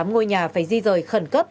hai mươi tám ngôi nhà phải di rời khẩn cấp